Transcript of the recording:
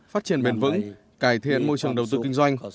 phát triển bền vững cải thiện môi trường đầu tư kinh doanh